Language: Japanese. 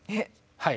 はい。